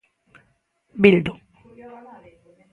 Bildu.